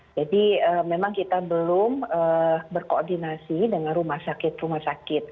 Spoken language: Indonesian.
jadi memang kita belum berkoordinasi dengan rumah sakit rumah sakit